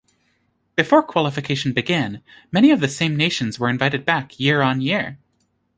Before qualification began, many of the same nations were invited back year on year.